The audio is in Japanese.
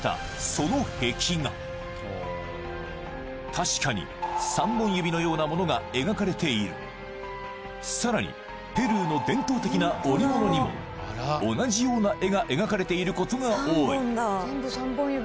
確かに３本指のようなものが描かれているさらにペルーの伝統的な織物にも同じような絵が描かれていることが多い